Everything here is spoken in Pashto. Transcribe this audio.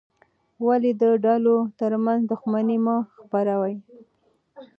ولې د ډلو ترمنځ دښمني مه خپروې؟